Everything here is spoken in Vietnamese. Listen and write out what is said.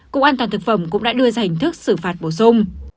cụ an toàn thực phẩm cũng đã đưa ra hành thức xử phạt bổ sung